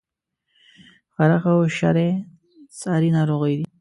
خارښت او شری څاری ناروغی دي؟